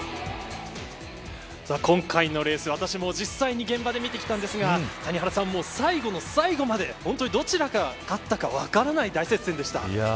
今回のレース、私も実際に現場で見てきたんですが谷原さん、もう最後の最後まで本当にどちらが勝ったか分からない大接戦でした。